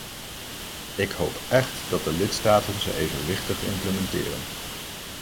Ik hoop echt dat de lidstaten ze evenwichtig implementeren.